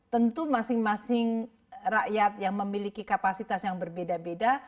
tentu masing masing rakyat yang memiliki kapasitas yang berbeda beda